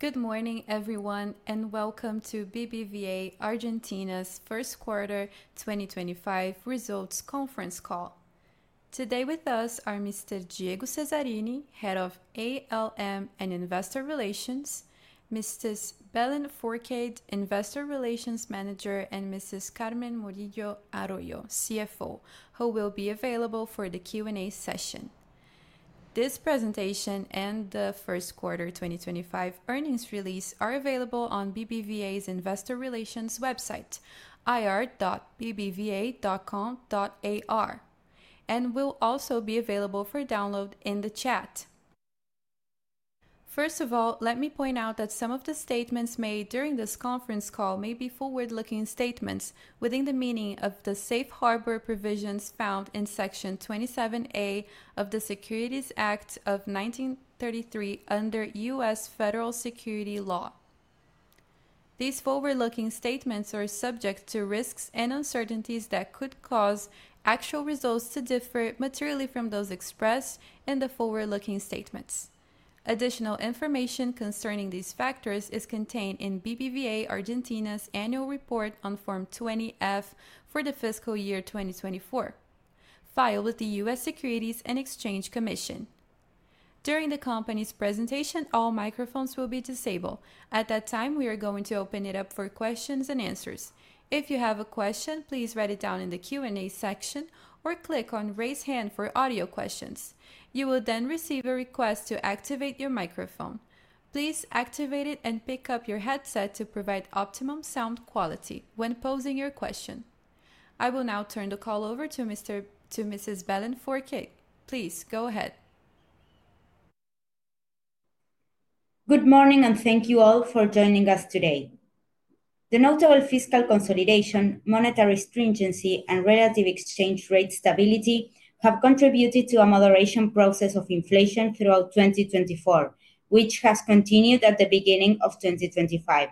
Good morning, everyone, and welcome to BBVA Argentina's First Quarter 2025 Results Conference Call. Today with us are Mr. Diego Cesarini, Head of ALM and Investor Relations; Mrs. Belén Fourcade, Investor Relations Manager; and Mrs. Carmen Morillo Arroyo, CFO, who will be available for the Q&A session. This presentation and the First Quarter 2025 earnings release are available on BBVA's Investor Relations website, ir.bbva.com.ar, and will also be available for download in the chat. First of all, let me point out that some of the statements made during this conference call may be forward-looking statements within the meaning of the safe harbor provisions found in Section 27A of the Securities Act of 1933 under U.S. federal security law. These forward-looking statements are subject to risks and uncertainties that could cause actual results to differ materially from those expressed in the forward-looking statements. Additional information concerning these factors is contained in BBVA Argentina's Annual Report on Form 20-F for the fiscal year 2024, filed with the U.S. Securities and Exchange Commission. During the company's presentation, all microphones will be disabled. At that time, we are going to open it up for questions and answers. If you have a question, please write it down in the Q&A section or click on "Raise Hand" for audio questions. You will then receive a request to activate your microphone. Please activate it and pick up your headset to provide optimum sound quality when posing your question. I will now turn the call over to Mrs. Belén Fourcade. Please go ahead. Good morning, and thank you all for joining us today. The notable fiscal consolidation, monetary stringency, and relative exchange rate stability have contributed to a moderation process of inflation throughout 2024, which has continued at the beginning of 2025.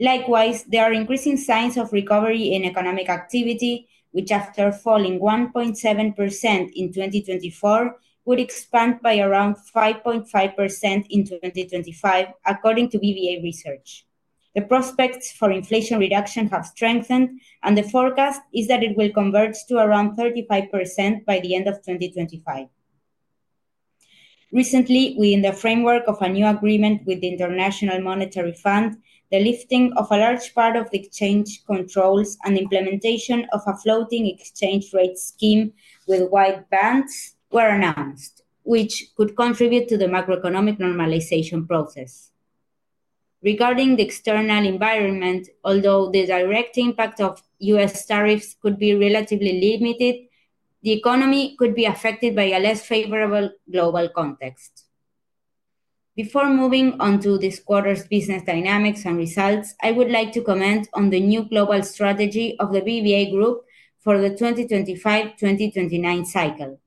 Likewise, there are increasing signs of recovery in economic activity, which, after falling 1.7% in 2024, would expand by around 5.5% in 2025, according to BBVA Research. The prospects for inflation reduction have strengthened, and the forecast is that it will converge to around 35% by the end of 2025. Recently, within the framework of a new agreement with the International Monetary Fund, the lifting of a large part of the exchange controls and implementation of a floating exchange rate scheme with wide bands were announced, which could contribute to the macroeconomic normalization process. Regarding the external environment, although the direct impact of U.S. Tariffs could be relatively limited, the economy could be affected by a less favorable global context. Before moving on to this quarter's business dynamics and results, I would like to comment on the new global strategy of the BBVA Group for the 2025-2029 cycle.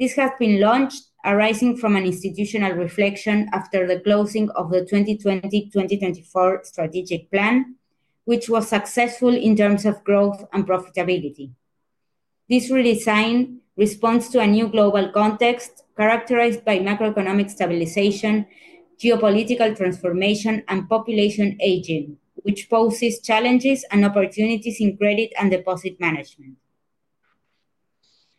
This has been launched, arising from an institutional reflection after the closing of the 2020-2024 strategic plan, which was successful in terms of growth and profitability. This redesign responds to a new global context characterized by macroeconomic stabilization, geopolitical transformation, and population aging, which poses challenges and opportunities in credit and deposit management.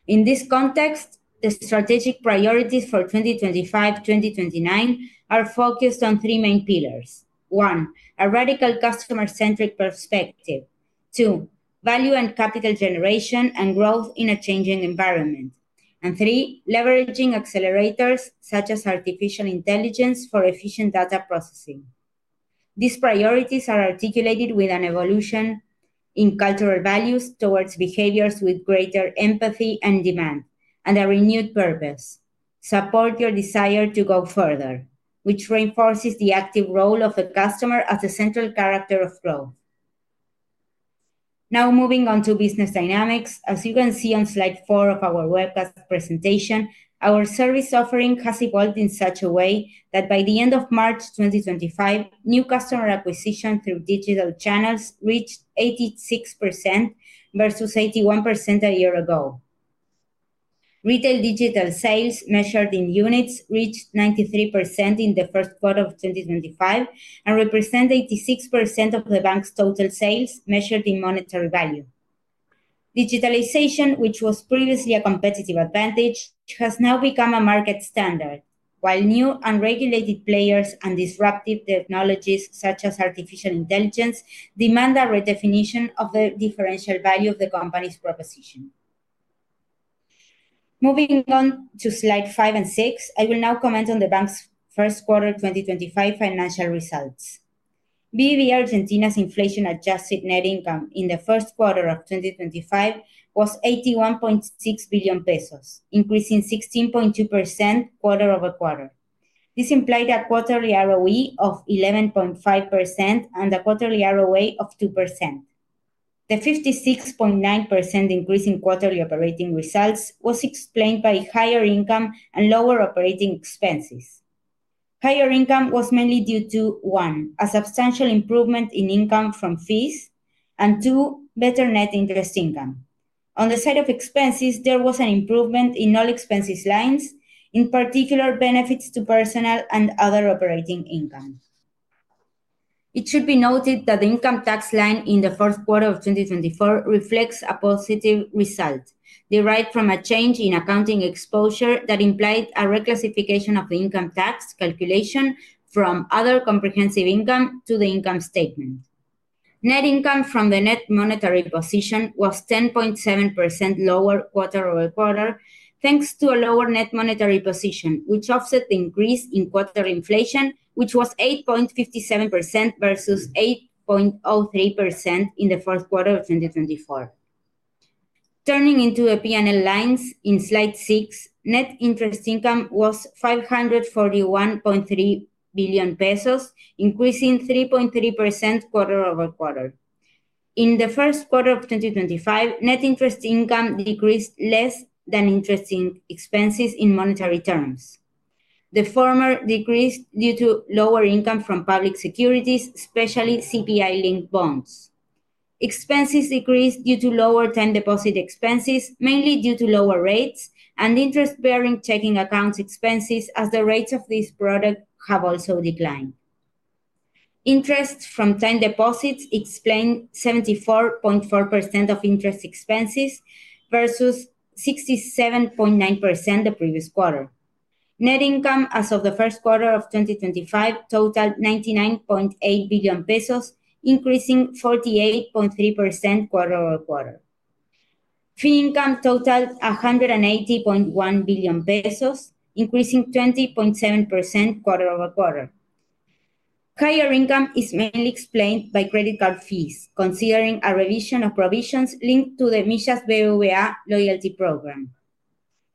In this context, the strategic priorities for 2025-2029 are focused on three main pillars: one, a radical customer-centric perspective; two, value and capital generation and growth in a changing environment; and three, leveraging accelerators such as artificial intelligence for efficient data processing. These priorities are articulated with an evolution in cultural values towards behaviors with greater empathy and demand, and a renewed purpose: support your desire to go further, which reinforces the active role of the customer as a central character of growth. Now, moving on to business dynamics, as you can see on slide four of our webcast presentation, our service offering has evolved in such a way that by the end of March 2025, new customer acquisition through digital channels reached 86% versus 81% a year ago. Retail digital sales, measured in units, reached 93% in the first quarter of 2025 and represent 86% of the bank's total sales, measured in monetary value. Digitalization, which was previously a competitive advantage, has now become a market standard, while new unregulated players and disruptive technologies such as artificial intelligence demand a redefinition of the differential value of the company's proposition. Moving on to slide five and six, I will now comment on the bank's first quarter 2025 financial results. BBVA Argentina's inflation-adjusted net income in the first quarter of 2025 was 81.6 billion pesos, increasing 16.2% quarter -over-quarter. This implied a quarterly ROE of 11.5% and a quarterly ROA of 2%. The 56.9% increase in quarterly operating results was explained by higher income and lower operating expenses. Higher income was mainly due to, one, a substantial improvement in income from fees and, two, better net interest income. On the side of expenses, there was an improvement in all expense lines, in particular benefits to personnel and other operating income. It should be noted that the income tax line in the fourth quarter of 2024 reflects a positive result, derived from a change in accounting exposure that implied a reclassification of the income tax calculation from other comprehensive income to the income statement. Net income from the net monetary position was 10.7% lower quarter-over-quarter, thanks to a lower net monetary position, which offset the increase in quarter inflation, which was 8.57% versus 8.03% in the fourth quarter of 2024. Turning into the P&L lines in slide six, net interest income was 541.3 billion pesos, increasing 3.3% quarter-over-quarter. In the first quarter of 2025, net interest income decreased less than interest in expenses in monetary terms. The former decreased due to lower income from public securities, especially CPI-linked bonds. Expenses decreased due to lower time deposit expenses, mainly due to lower rates and interest-bearing checking accounts expenses, as the rates of these products have also declined. Interest from time deposits explained 74.4% of interest expenses versus 67.9% the previous quarter. Net income as of the first quarter of 2025 totaled 99.8 billion pesos, increasing 48.3% quarter-over-quarter. Fee income totaled 180.1 billion pesos, increasing 20.7% quarter-over- quarter. Higher income is mainly explained by credit card fees, considering a revision of provisions linked to the Mis Has BBVA loyalty program.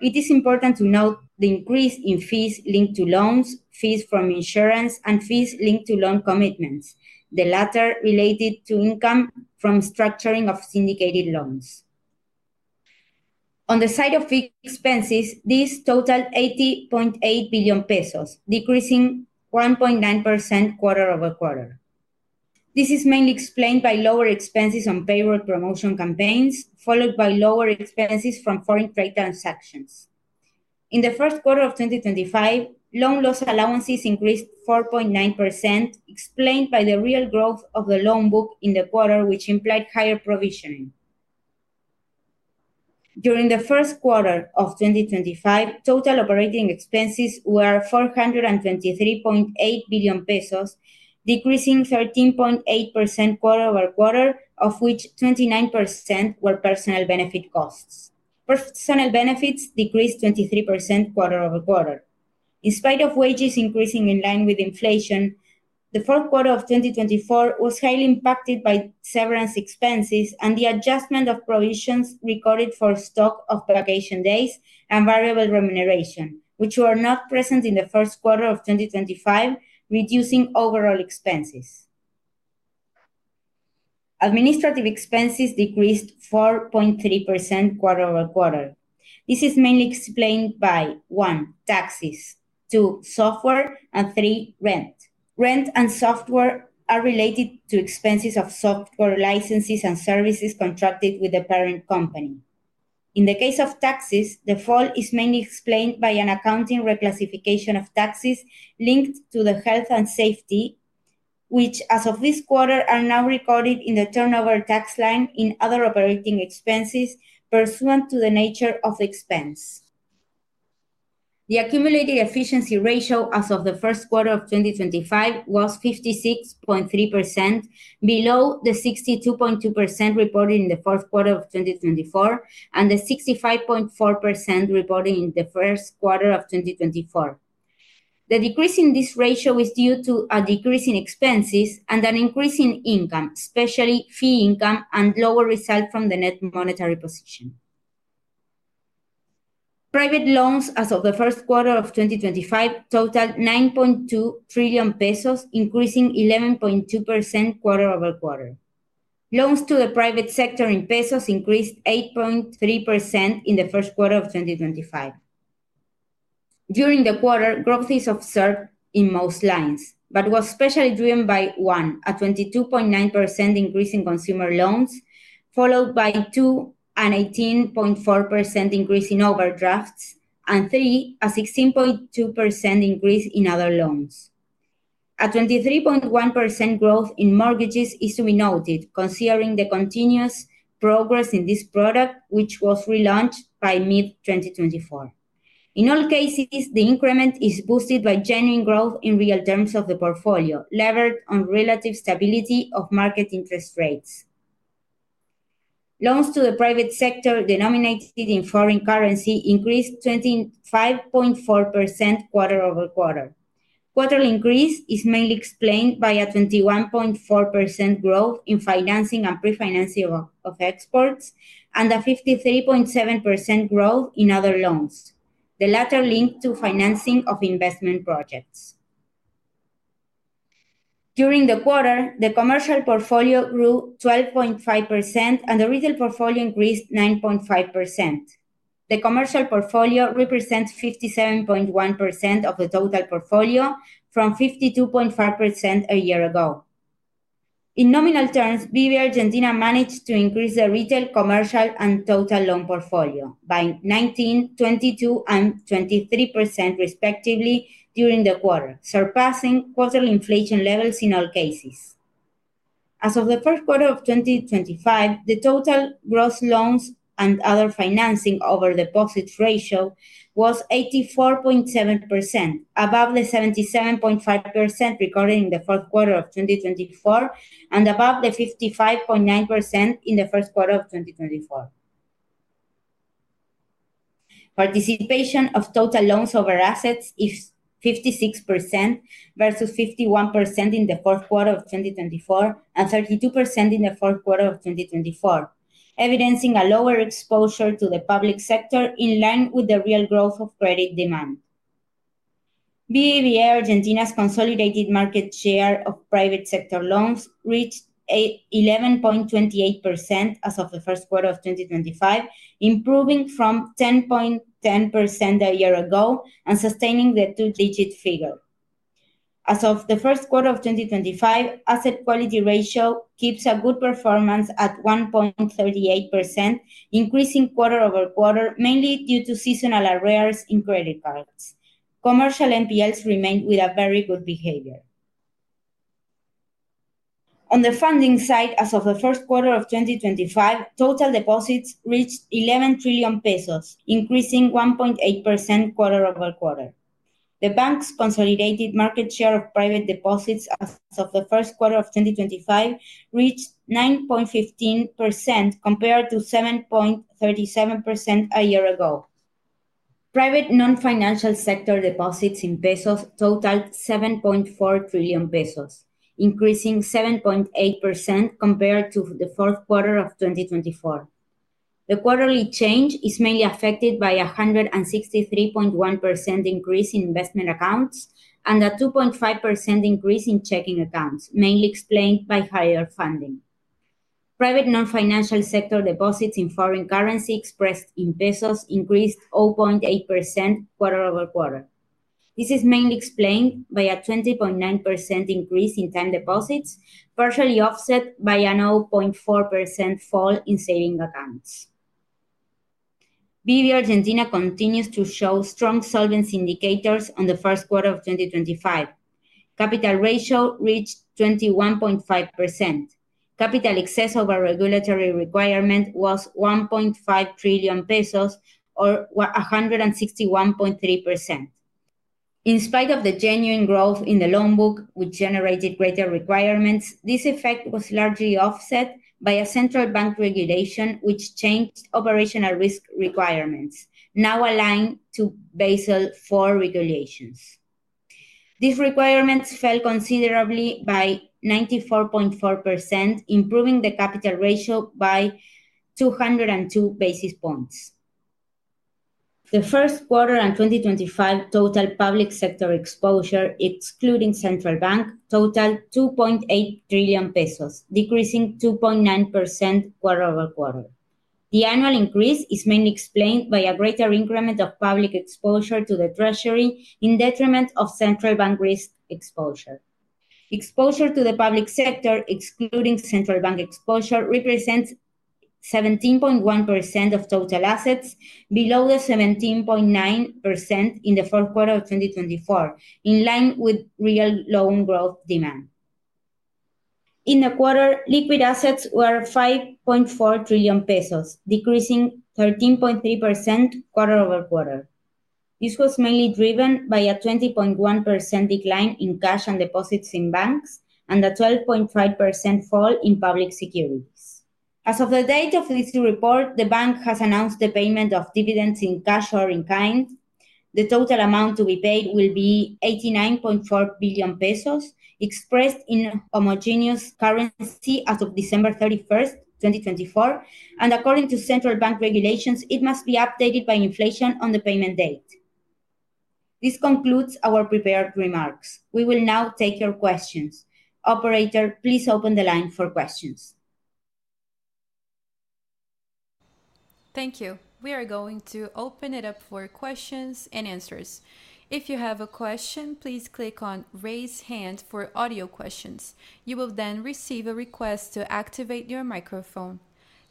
It is important to note the increase in fees linked to loans, fees from insurance, and fees linked to loan commitments, the latter related to income from structuring of syndicated loans. On the side of fee expenses, these totaled 80.8 billion pesos, decreasing 1.9% quarter-over-quarter. This is mainly explained by lower expenses on payroll promotion campaigns, followed by lower expenses from foreign trade transactions. In the first quarter of 2025, loan loss allowances increased 4.9%, explained by the real growth of the loan book in the quarter, which implied higher provisioning. During the first quarter of 2025, total operating expenses were 423.8 billion pesos, decreasing 13.8% quarter-over-quarter, of which 29% were personal benefit costs. Personal benefits decreased 23% quarter-over quarter. In spite of wages increasing in line with inflation, the fourth quarter of 2024 was highly impacted by severance expenses and the adjustment of provisions recorded for stock of vacation days and variable remuneration, which were not present in the first quarter of 2025, reducing overall expenses. Administrative expenses decreased 4.3% quarter-over quarter. This is mainly explained by one, taxes; two, software; and three, rent. Rent and software are related to expenses of software licenses and services contracted with the parent company. In the case of taxes, the fall is mainly explained by an accounting reclassification of taxes linked to the health and safety, which, as of this quarter, are now recorded in the turnover tax line in other operating expenses pursuant to the nature of expense. The accumulated efficiency ratio as of the first quarter of 2025 was 56.3%, below the 62.2% reported in the fourth quarter of 2024 and the 65.4% reported in the first quarter of 2024. The decrease in this ratio is due to a decrease in expenses and an increase in income, especially fee income and lower result from the net monetary position. Private loans as of the first quarter of 2025 totaled 9.2 trillion pesos, increasing 11.2% quarter-over -quarter. Loans to the private sector in pesos increased 8.3% in the first quarter of 2025. During the quarter, growth is observed in most lines, but was especially driven by one, a 22.9% increase in consumer loans; followed by, two, an 18.4% increase in overdrafts, and, three, a 16.2% increase in other loans. A 23.1% growth in mortgages is to be noted, considering the continuous progress in this product, which was relaunched by mid-2024. In all cases, the increment is boosted by genuine growth in real terms of the portfolio, levered on relative stability of market interest rates. Loans to the private sector denominated in foreign currency increased 25.4% quarter-over-quarter. Quarterly increase is mainly explained by a 21.4% growth in financing and pre-financing of exports and a 53.7% growth in other loans, the latter linked to financing of investment projects. During the quarter, the commercial portfolio grew 12.5% and the retail portfolio increased 9.5%. The commercial portfolio represents 57.1% of the total portfolio from 52.5% a year ago. In nominal terms, BBVA Argentina managed to increase the retail, commercial, and total loan portfolio by 19%, 22%, and 23% respectively during the quarter, surpassing quarterly inflation levels in all cases. As of the first quarter of 2025, the total gross loans and other financing over deposits ratio was 84.7%, above the 77.5% recorded in the fourth quarter of 2024 and above the 55.9% in the first quarter of 2024. Participation of total loans over assets is 56% versus 51% in the fourth quarter of 2024 and 32% in the fourth quarter of 2024, evidencing a lower exposure to the public sector in line with the real growth of credit demand. BBVA Argentina's consolidated market share of private sector loans reached 11.28% as of the first quarter of 2025, improving from 10.10% a year ago and sustaining the two-digit figure. As of the first quarter of 2025, Asset quality ratio keeps a good performance at 1.38%, increasing quarter-over-quarter, mainly due to seasonal arrears in credit cards. Commercial NPLs remained with a very good behavior. On the funding side, as of the first quarter of 2025, total deposits reached 11 trillion pesos, increasing 1.8% quarter-over-quarter. The bank's consolidated market share of private deposits as of the first quarter of 2025 reached 9.15% compared to 7.37% a year ago. Private non-financial sector deposits in pesos totaled 7.4 trillion pesos, increasing 7.8% compared to the fourth quarter of 2024. The quarterly change is mainly affected by a 163.1% increase in investment accounts and a 2.5% increase in checking accounts, mainly explained by higher funding. Private non-financial sector deposits in foreign currency expressed in pesos increased 0.8% quarter-over-quarter. This is mainly explained by a 20.9% increase in time deposits, partially offset by a 0.4% fall in savings accounts. BBVA Argentina continues to show strong solvency indicators on the first quarter of 2025. Capital ratio reached 21.5%. Capital excess over regulatory requirement was 1.5 trillion pesos or 161.3%. In spite of the genuine growth in the loan book, which generated greater requirements, this effect was largely offset by a central bank regulation, which changed operational risk requirements, now aligned to Basel IV regulations. These requirements fell considerably by 94.4%, improving the capital ratio by 202 basis points. The first quarter and 2025 total public sector exposure, excluding central bank, totaled 2.8 trillion pesos, decreasing 2.9% quarter-over-quarter. The annual increase is mainly explained by a greater increment of public exposure to the treasury in detriment of central bank risk exposure. Exposure to the public sector, excluding central bank exposure, represents 17.1% of total assets, below the 17.9% in the fourth quarter of 2024, in line with real loan growth demand. In the quarter, liquid assets were 5.4 trillion pesos, decreasing 13.3% quarter-over-quarter. This was mainly driven by a 20.1% decline in cash and deposits in banks and a 12.5% fall in public securities. As of the date of this report, the bank has announced the payment of dividends in cash or in kind. The total amount to be paid will be 89.4 billion pesos, expressed in homogeneous currency as of December 31, 2024, and according to central bank regulations, it must be updated by inflation on the payment date. This concludes our prepared remarks. We will now take your questions. Operator, please open the line for questions. Thank you. We are going to open it up for questions and answers. If you have a question, please click on Raise hand for audio questions. You will then receive a request to activate your microphone.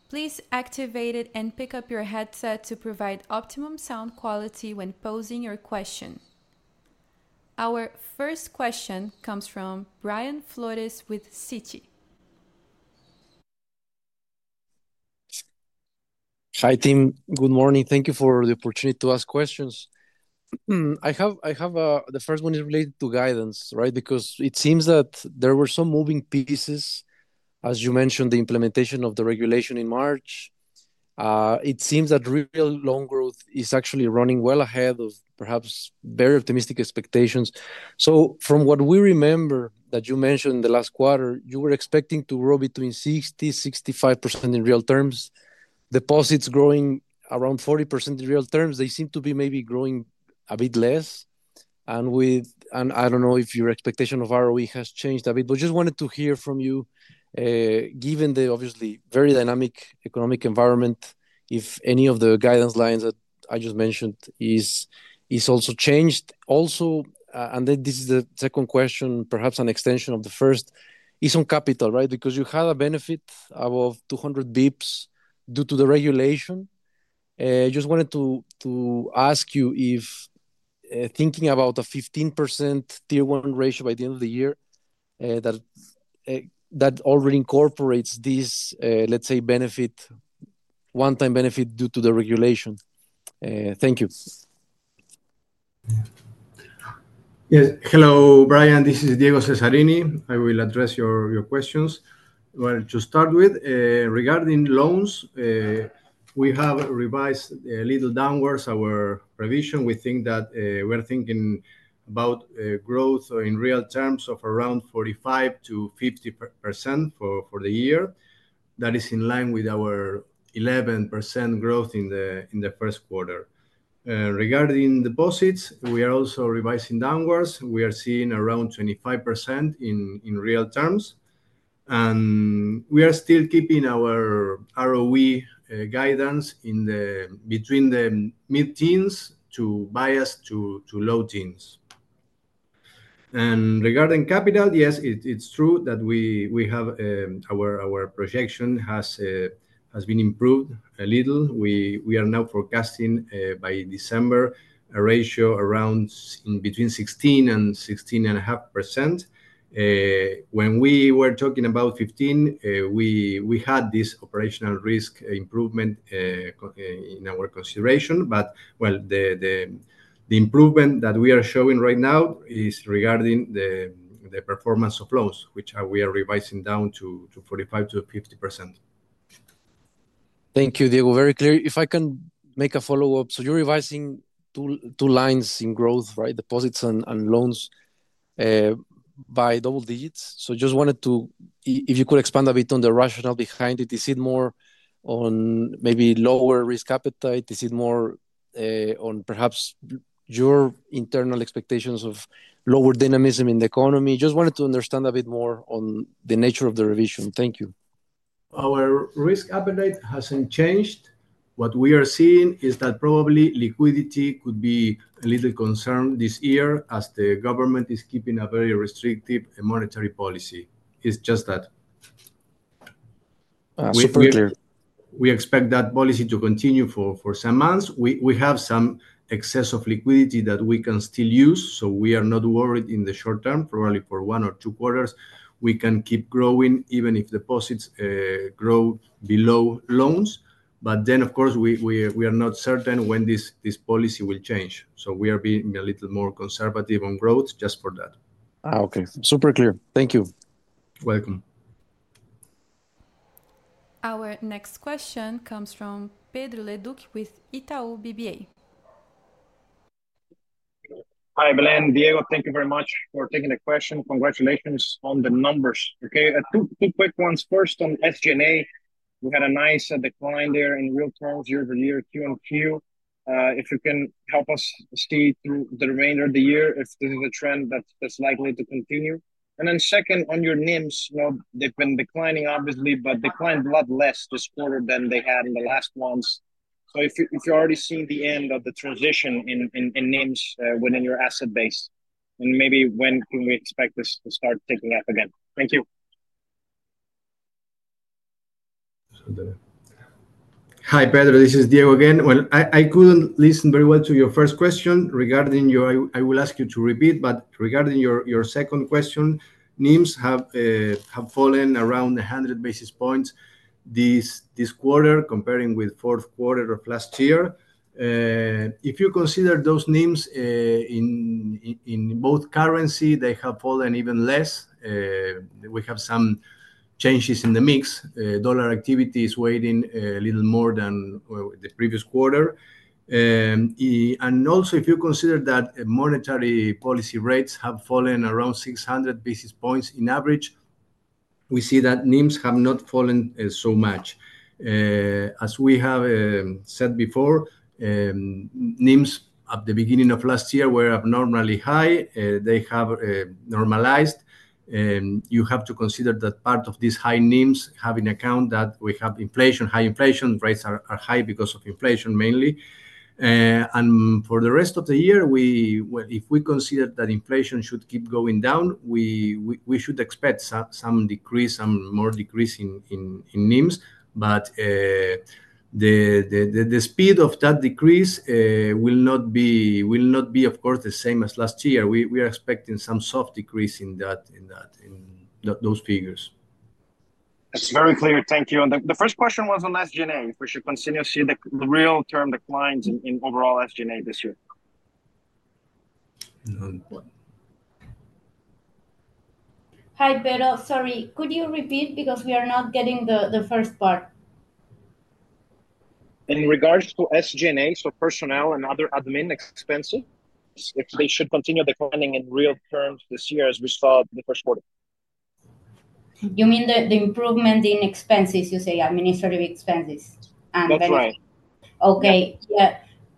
Please activate it and pick up your headset to provide optimum sound quality when posing your question. Our first question comes from Brian Flores with Citi. Hi, team. Good morning. Thank you for the opportunity to ask questions. I have the first one is related to guidance, right? Because it seems that there were some moving pieces, as you mentioned, the implementation of the regulation in March. It seems that real loan growth is actually running well ahead of perhaps very optimistic expectations. From what we remember that you mentioned in the last quarter, you were expecting to grow between 60-65% in real terms. Deposits growing around 40% in real terms, they seem to be maybe growing a bit less. I do not know if your expectation of ROE has changed a bit, but just wanted to hear from you, given the obviously very dynamic economic environment, if any of the guidance lines that I just mentioned is also changed. Also, this is the second question, perhaps an extension of the first, is on capital, right? Because you had a benefit of 200 basis points due to the regulation. I just wanted to ask you if thinking about a 15% Tier One ratio by the end of the year, that already incorporates this, let's say, benefit, one-time benefit due to the regulation. Thank you. Hello, Brian. This is Diego Cesarini. I will address your questions. To start with, regarding loans, we have revised a little downwards our revision. We think that we're thinking about growth in real terms of around 45%-50% for the year. That is in line with our 11% growth in the first quarter. Regarding deposits, we are also revising downwards. We are seeing around 25% in real terms. We are still keeping our ROE guidance in the between the mid-teens to bias to low teens. Regarding capital, yes, it's true that we have our projection has been improved a little. We are now forecasting by December a ratio around between 16% and 16.5%. When we were talking about 15%, we had this operational risk improvement in our consideration. The improvement that we are showing right now is regarding the performance of loans, which we are revising down to 45%-50%. Thank you, Diego. Very clear. If I can make a follow-up, so you're revising two lines in growth, right? Deposits and loans by double digits. Just wanted to, if you could expand a bit on the rationale behind it, is it more on maybe lower risk appetite? Is it more on perhaps your internal expectations of lower dynamism in the economy? Just wanted to understand a bit more on the nature of the revision. Thank you. Our risk appetite hasn't changed. What we are seeing is that probably liquidity could be a little concerned this year as the government is keeping a very restrictive monetary policy. It's just that. Super clear. We expect that policy to continue for some months. We have some excess of liquidity that we can still use. So we are not worried in the short term, probably for one or two quarters. We can keep growing even if deposits grow below loans. Of course, we are not certain when this policy will change. We are being a little more conservative on growth just for that. Okay. Super clear. Thank you. Welcome. Our next question comes from Pedro Leduc with Itaú BBA. Hi, Belén. Diego, thank you very much for taking the question. Congratulations on the numbers. Okay. Two quick ones. First, on SG&A, we had a nice decline there in real terms year over year, Q and Q. If you can help us see through the remainder of the year if this is a trend that's likely to continue. Second, on your NIMs, they've been declining, obviously, but declined a lot less this quarter than they had in the last ones. If you're already seeing the end of the transition in NIMs within your asset base, and maybe when can we expect this to start taking up again? Thank you. Hi, Pedro. This is Diego again. I could not listen very well to your first question regarding your, I will ask you to repeat, but regarding your second question, NIMs have fallen around 100 basis points this quarter comparing with the fourth quarter of last year. If you consider those NIMs in both currency, they have fallen even less. We have some changes in the mix. Dollar activity is weighting a little more than the previous quarter. Also, if you consider that monetary policy rates have fallen around 600 basis points on average, we see that NIMs have not fallen so much. As we have said before, NIMs at the beginning of last year were abnormally high. They have normalized. You have to consider that part of these high NIMs have in account that we have inflation, high inflation, rates are high because of inflation mainly. For the rest of the year, if we consider that inflation should keep going down, we should expect some decrease, some more decrease in NIMs. The speed of that decrease will not be, of course, the same as last year. We are expecting some soft decrease in those figures. That is very clear. Thank you. The first question was on SG&A. If we should continue to see the real-term declines in overall SG&A this year. Hi, Pedro. Sorry. Could you repeat because we are not getting the first part? In regards to SG&A, so personnel and other admin expenses, if they should continue declining in real terms this year as we saw the first quarter? You mean the improvement in expenses, you say, administrative expenses? That is right. Okay.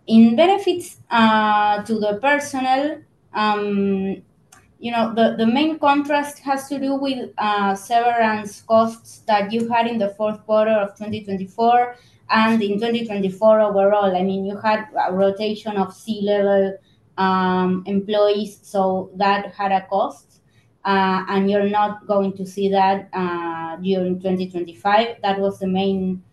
In benefits to the personnel, the main contrast has to do with severance costs that you had in the fourth quarter of 2024 and in 2024 overall. I mean, you had a rotation of C-level employees, so that had a cost. You are not going to see that during 2025. That was the main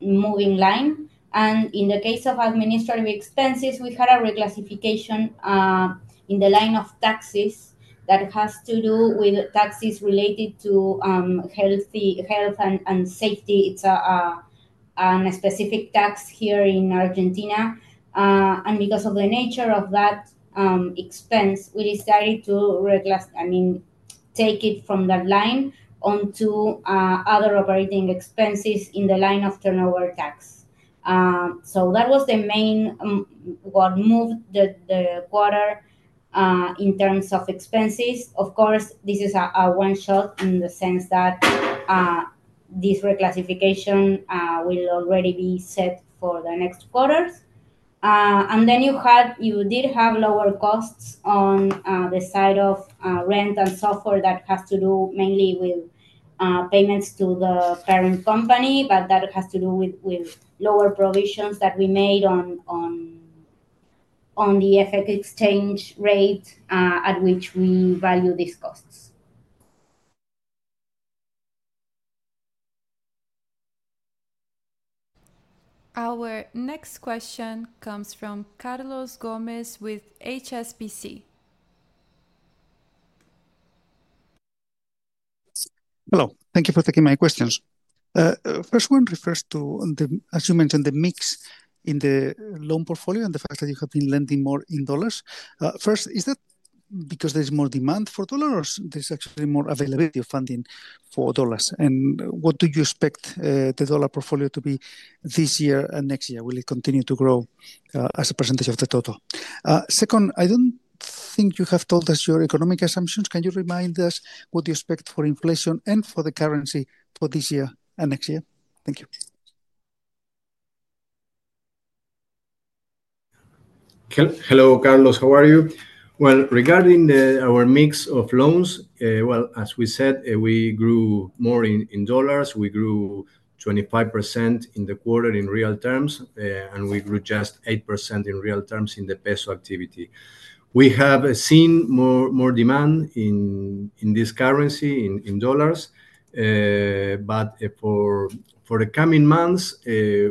moving line. In the case of administrative expenses, we had a reclassification in the line of taxes that has to do with taxes related to health and safety. It is a specific tax here in Argentina. Because of the nature of that expense, we decided to reclass, I mean, take it from that line onto other operating expenses in the line of turnover tax. That was the main what moved the quarter in terms of expenses. Of course, this is a one-shot in the sense that this reclassification will already be set for the next quarters. You did have lower costs on the side of rent and software that has to do mainly with payments to the parent company, but that has to do with lower provisions that we made on the FX exchange rate at which we value these costs. Our next question comes from Carlos Gomez with HSBC. Hello. \assumptions. Can you remind us what you expect for inflation and for the currency for this year and next year? Thank you. Hello, Carlos. How are you? Regarding our mix of loans, as we said, we grew more in dollars. We grew 25% in the quarter in real terms, and we grew just 8% in real terms in the peso activity. We have seen more demand in this currency in dollars. For the coming months,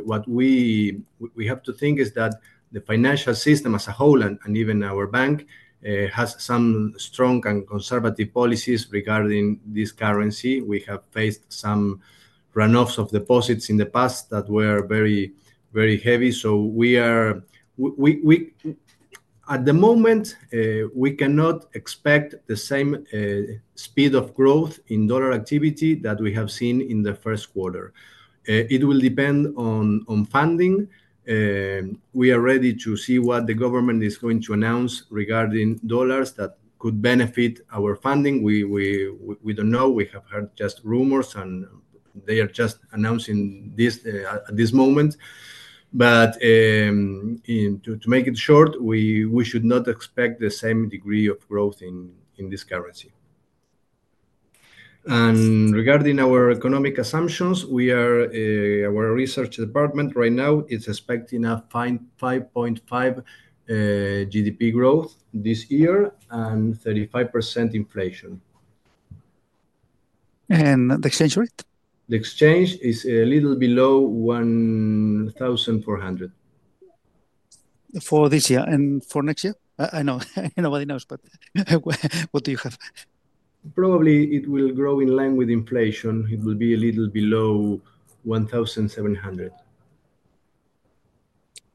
what we have to think is that the financial system as a whole, and even our bank, has some strong and conservative policies regarding this currency. We have faced some runoffs of deposits in the past that were very, very heavy. At the moment, we cannot expect the same speed of growth in dollar activity that we have seen in the first quarter. It will depend on funding. We are ready to see what the government is going to announce regarding dollars that could benefit our funding. We do not know. We have heard just rumors, and they are just announcing this at this moment. To make it short, we should not expect the same degree of growth in this currency. Regarding our economic assumptions, our research department right now is expecting a 5.5% GDP growth this year and 35% inflation. The exchange rate? The exchange is a little below 1,400. For this year and for next year? I know nobody knows, but what do you have? Probably it will grow in line with inflation. It will be a little below 1,700.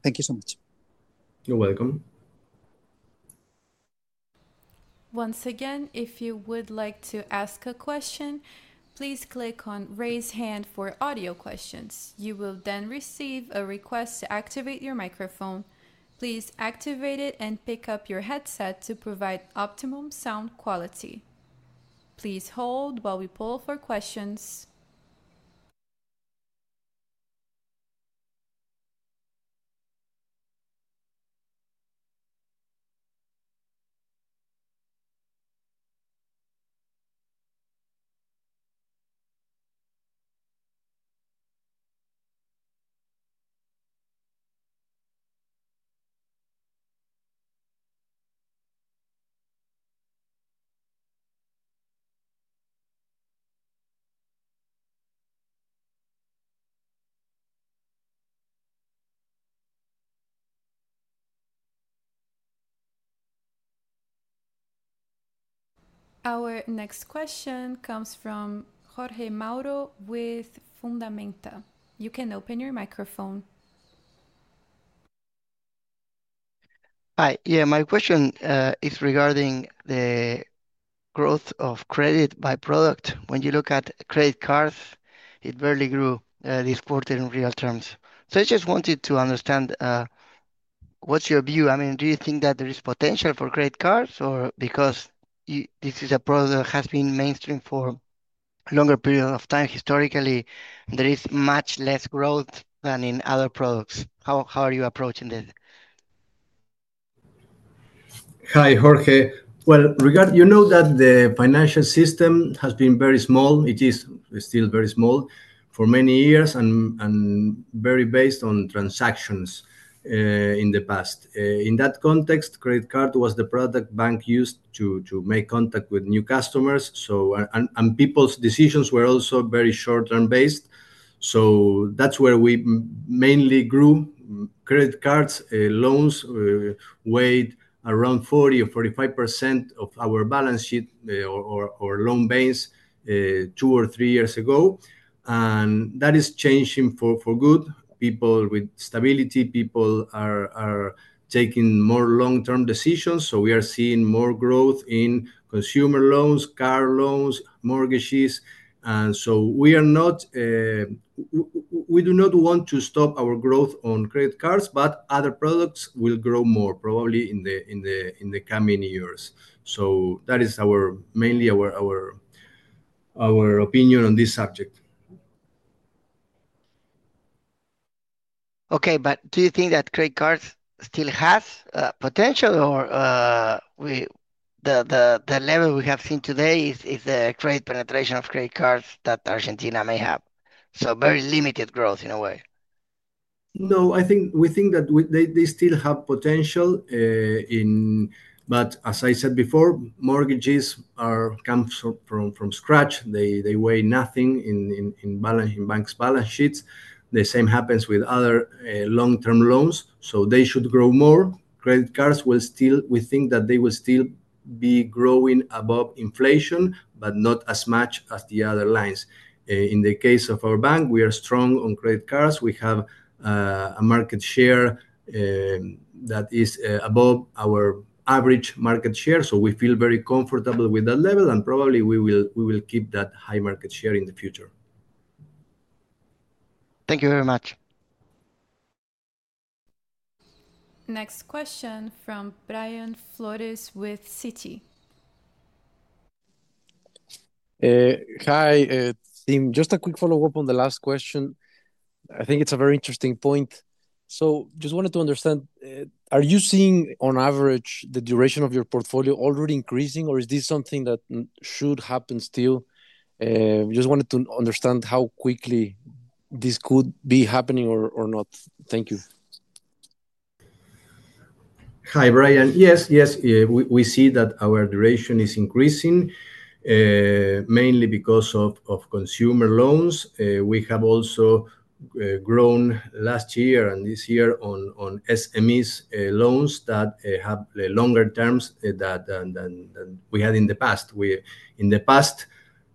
Thank you so much. You're welcome. Once again, if you would like to ask a question, please click on Raise Hand for audio questions. You will then receive a request to activate your microphone. Please activate it and pick up your headset to provide optimum sound quality. Please hold while we pull for questions. Our next question comes from Jorge Mauro with Fundamenta. You can open your microphone. Hi. Yeah, my question is regarding the growth of credit by product. When you look at credit cards, it barely grew this quarter in real terms. I just wanted to understand what's your view. I mean, do you think that there is potential for credit cards or because this is a product that has been mainstream for a longer period of time historically, there is much less growth than in other products? How are you approaching this? Hi, Jorge. You know that the financial system has been very small. It is still very small for many years and very based on transactions in the past. In that context, credit card was the product bank used to make contact with new customers. People's decisions were also very short-term based. That's where we mainly grew. Credit cards, loans weighed around 40-45% of our balance sheet or loan banks two or three years ago. That is changing for good. People with stability, people are taking more long-term decisions. We are seeing more growth in consumer loans, car loans, mortgages. We do not want to stop our growth on credit cards, but other products will grow more probably in the coming years. That is mainly our opinion on this subject. Okay, but do you think that credit cards still have potential or the level we have seen today is the credit penetration of credit cards that Argentina may have? Very limited growth in a way. No, I think we think that they still have potential. As I said before, mortgages come from scratch. They weigh nothing in banks' balance sheets. The same happens with other long-term loans. They should grow more. Credit cards, we think that they will still be growing above inflation, but not as much as the other lines. In the case of our bank, we are strong on credit cards. We have a market share that is above our average market share. We feel very comfortable with that level. Probably we will keep that high market share in the future. Thank you very much. Next question from Brian Flores with Citi. Hi, team. Just a quick follow-up on the last question. I think it is a very interesting point. Just wanted to understand, are you seeing on average the duration of your portfolio already increasing, or is this something that should happen still? Just wanted to understand how quickly this could be happening or not. Thank you. Hi, Brian. Yes, yes. We see that our duration is increasing mainly because of consumer loans. We have also grown last year and this year on SMEs loans that have longer terms than we had in the past. In the past,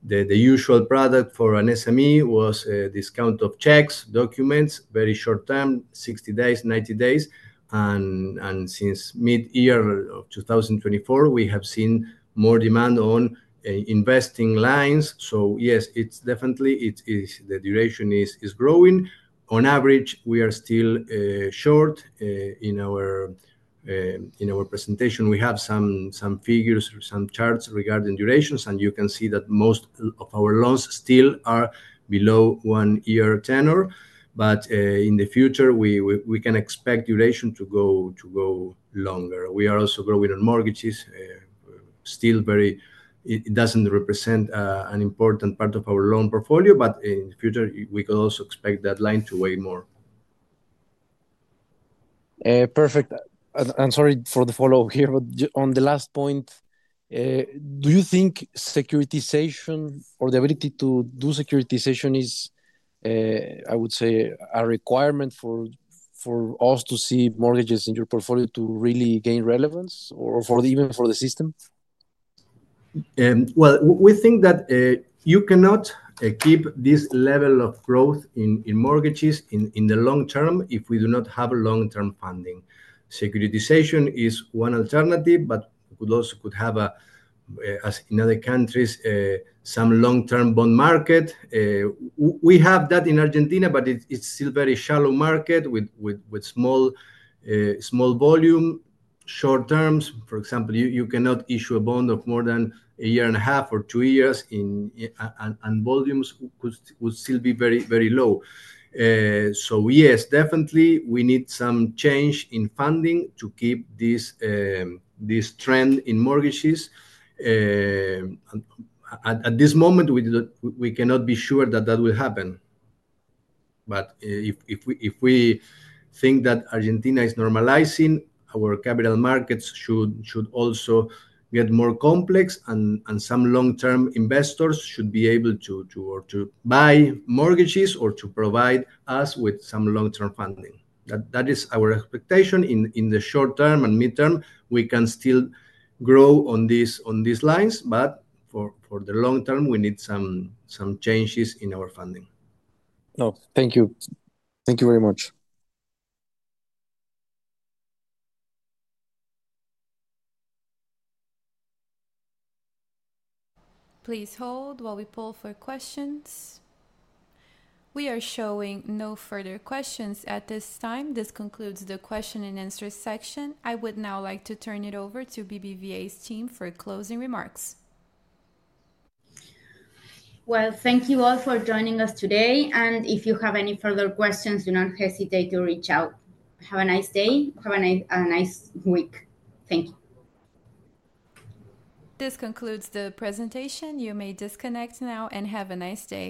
the usual product for an SME was discount of checks, documents, very short term, 60 days, 90 days. Since mid-year of 2024, we have seen more demand on investing lines. Yes, definitely, the duration is growing. On average, we are still short in our presentation. We have some figures, some charts regarding durations, and you can see that most of our loans still are below one-year tenor. In the future, we can expect duration to go longer. We are also growing on mortgages. It does not represent an important part of our loan portfolio, but in the future, we could also expect that line to weigh more. Perfect. Sorry for the follow-up here, but on the last point, do you think securitization or the ability to do securitization is, I would say, a requirement for us to see mortgages in your portfolio to really gain relevance or even for the system? We think that you cannot keep this level of growth in mortgages in the long term if we do not have long-term funding. Securitization is one alternative, but we could also have, as in other countries, some long-term bond market. We have that in Argentina, but it is still a very shallow market with small volume, short terms. For example, you cannot issue a bond of more than a year and a half or two years, and volumes would still be very, very low. Yes, definitely, we need some change in funding to keep this trend in mortgages. At this moment, we cannot be sure that that will happen. If we think that Argentina is normalizing, our capital markets should also get more complex, and some long-term investors should be able to buy mortgages or to provide us with some long-term funding. That is our expectation in the short term and midterm. We can still grow on these lines, but for the long term, we need some changes in our funding. Thank you. Thank you very much. Please hold while we pull for questions. We are showing no further questions at this time. This concludes the question and answer section. I would now like to turn it over to BBVA's team for closing remarks. Thank you all for joining us today. If you have any further questions, do not hesitate to reach out. Have a nice day. Have a nice week. Thank you. This concludes the presentation. You may disconnect now and have a nice day.